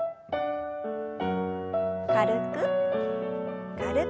軽く軽く。